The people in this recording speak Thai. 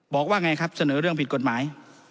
บอกว่าไงครับเสนอเรื่องผิดกฎหมาย